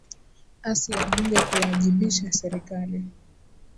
asi ya bunge kuiwajibisha serikali